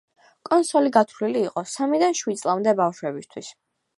კონსოლი გათვლილი იყო სამიდან შვიდ წლამდე ბავშვებისთვის.